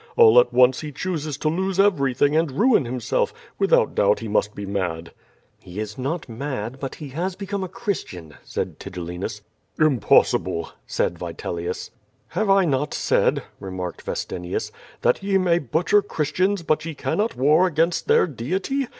All at once he chooses to lose everything and ruin himself; without doubt he must be mad." "He is not mad, but he has become a Christian," said Tigel linus. "Impossible!" said Vitelius. "Have I not said," remarked Vestinius, that ye may butcher Christians, but ye cannot war against their Deity!